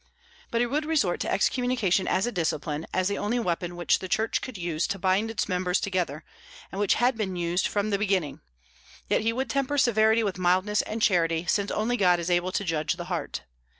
But he would resort to excommunication as a discipline, as the only weapon which the Church could use to bind its members together, and which had been used from the beginning; yet he would temper severity with mildness and charity, since only God is able to judge the heart.